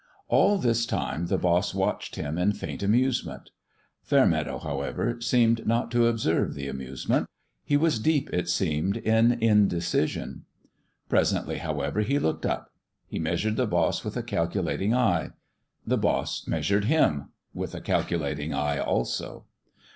All this time the boss watched him in faint amusement. Fair meadow, however, seemed not to observe the amusement. He was deep, it seemed, in inde cision. Presently, however, he looked up. He measured the boss with a calculating eye. The boss measured him with a calculating eye, also.